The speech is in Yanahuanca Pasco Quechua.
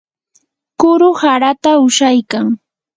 kuru harata ushaykan.